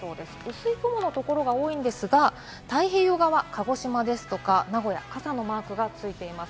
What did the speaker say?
薄い雲のところが多いですが、太平洋側は鹿児島ですとか名古屋、傘のマークがついています。